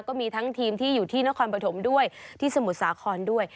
ก็มีทั้งทีมที่อยู่ที่นครปฐมด้วยที่สมุทรสาครด้วย